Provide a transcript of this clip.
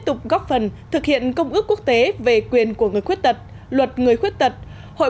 tục góp phần thực hiện công ước quốc tế về quyền của người khuyết tật luật người khuyết tật hội